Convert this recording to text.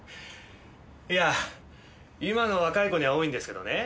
いや今の若い子には多いんですけどね